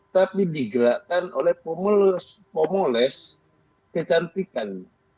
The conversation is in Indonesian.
tapi digerakkan oleh pemoles kecantikan